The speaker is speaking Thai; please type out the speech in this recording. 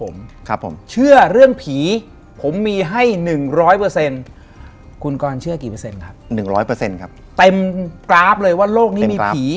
เต็มกราฟเลยว่าโลกนี้มีผี